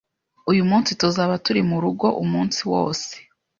Uyu munsi tuzaba turi murugo umunsi wose.